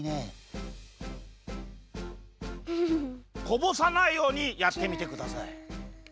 こぼさないようにやってみてください。